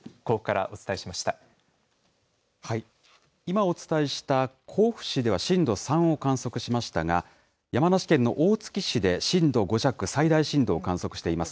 今お伝えした、甲府市では震度３を観測しましたが、山梨県の大月市で震度５弱、最大震度を観測しています。